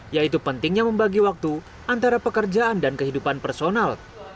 yaitu pentingnya membagi waktu antara pekerjaan dan kehidupan personal